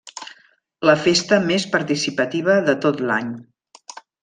La festa més participativa de tot l'any.